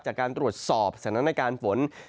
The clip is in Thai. จากการตรวจสอบสถานการณ์ฝน